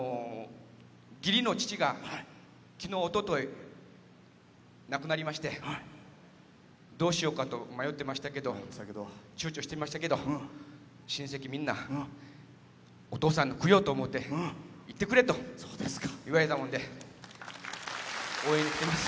義理の父が、亡くなりましてどうしようかと迷ってましたけどちゅうちょしてましたけど親戚みんなお父さんの供養と思って行ってくれと言われたので応援に来てます。